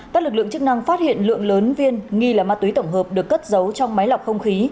các lực lượng chức năng phát hiện lượng lớn viên nghi là ma túy tổng hợp được cất giấu trong máy lọc không khí